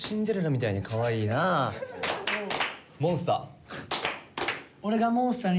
モンスター。